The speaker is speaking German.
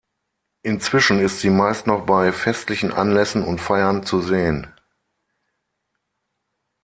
Inzwischen ist sie meist noch bei festlichen Anlässen und Feiern zu sehen.